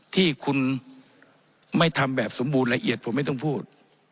ที่คุณไม่ทำแบบสมบูรณ์ละเอียดผมไม่ต้องพูด